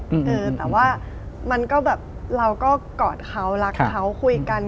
แต่ว่าเราก็กอดเขารักเขาคุยกัน